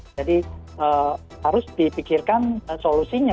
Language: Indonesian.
jadi harus dipikirkan solusinya